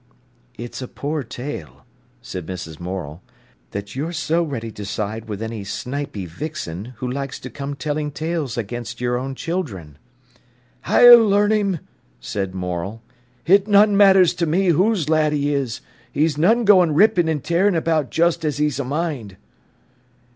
"It's a poor tale," said Mrs. Morel, "that you're so ready to side with any snipey vixen who likes to come telling tales against your own children." "I'll learn 'im!" said Morel. "It none matters to me whose lad 'e is; 'e's none goin' rippin' an' tearin' about just as he's a mind."